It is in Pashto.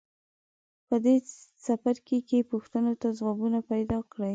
په دې څپرکي کې پوښتنو ته ځوابونه پیداکړئ.